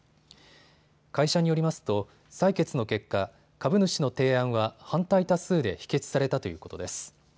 会社によりますと採決の結果、株主の提案は反対多数で否決されたということです。